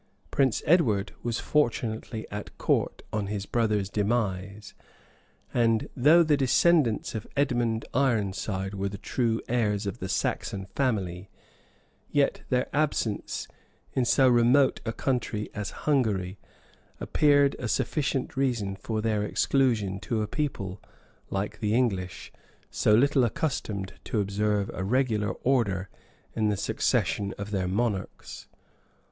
Prince Edward was fortunately at court on his brother's demise; and though the descendants of Edmond Ironside were the true heirs of the Saxon family, yet their absence in so remote a country as Hungary, appeared a sufficient reason for their exclusion to a people, like the English, so little accustomed to observe a regular order in the succession of their monarchs.